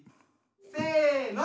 せの！